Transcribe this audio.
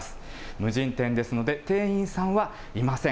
無人店ですので、店員さんはいません。